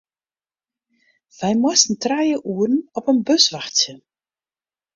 Wy moasten trije oeren op in bus wachtsje.